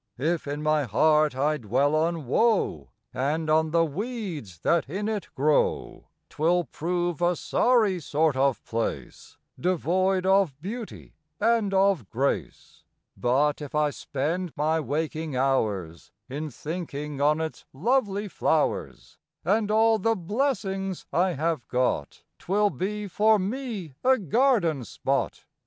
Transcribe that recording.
If in my heart I dwell on woe, And on the weeds that in it grow, Twill prove a sorry sort of place Devoid of beauty and of grace. But if I spend my waking hours In thinking on its lovely flowers And all the blessings I have got, Twill be for me a garden spot.